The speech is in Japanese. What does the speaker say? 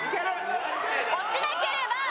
落ちなければ。